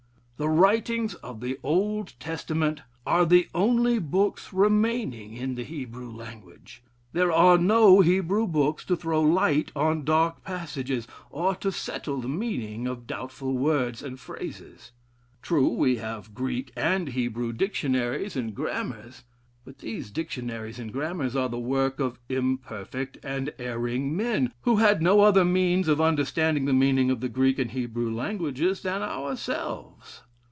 The writings of the Old Testament are the only books remaining in the Hebrew language. There are no Hebrew books to throw light on dark passages, or to settle the meaning of doubtful words and phrases. True, we have Greek and Hebrew dictionaries and grammars, but these dictionaries and grammars are the work of imperfect and erring men, who had no other means oi understanding the meaning of the Greek and Hebrew languages than ourselves.